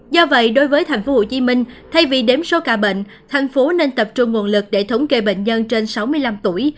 do vậy đối với tp hcm thay vì đếm số ca bệnh thành phố nên tập trung nguồn lực để thống kê bệnh nhân trên sáu mươi năm tuổi